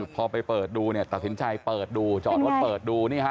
พอไปเปิดดูตัดสินใจเปิดดู